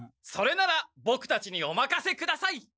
それならボクたちにおまかせください！